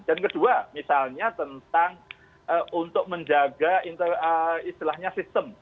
dan kedua misalnya tentang untuk menjaga istilahnya sistem